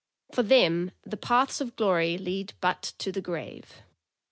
For them uthe paths of glory lead but to the grave."